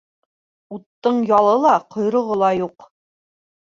Уттың ялы ла, ҡойроғо ла юҡ.